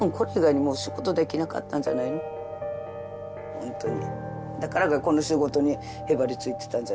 ほんとに。